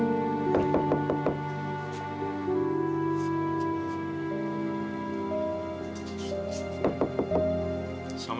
tante aku mau pergi